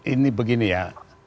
ini begini ya